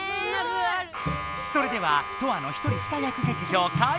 それではトアの一人二役劇場開まく！